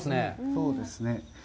そうですね。